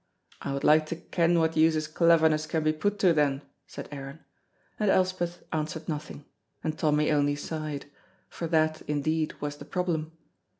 I would like to ken what use his cleverness can be put to, then," said Aaron, and Elspeth answered nothing, and Tommy only sighed, for that indeed was the problem.